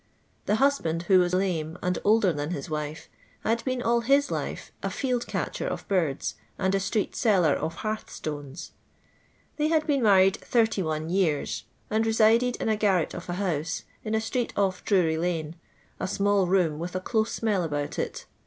The husband, who was lame, and older than his wife, had been all hi* life a field catcher of birds, and a street seller of hearth stones. They had been married 31 years, and resided in a garret of a house, in a street off Drurylanc — a small room, with a close smell about it.